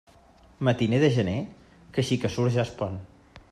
Matiner de gener, que així que surt ja es pon.